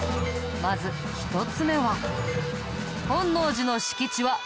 まず１つ目は。